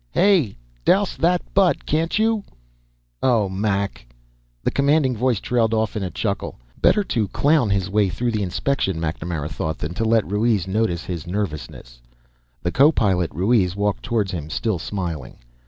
"Hey, douse that butt! Can't you ... oh, Mac!" The commanding voice trailed off in a chuckle. Better to clown his way through the inspection, MacNamara thought, than to let Ruiz notice his nervousness. The co pilot, Ruiz, walked toward him, still smiling.